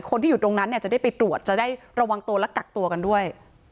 คนที่อยู่ตรงนั้นเนี่ยจะได้ไปตรวจจะได้ระวังตัวและกักตัวกันด้วย